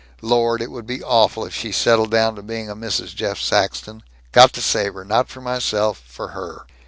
Lord, it would be awful if she settled down to being a Mrs. Jeff Saxton. Got to save her not for myself for her."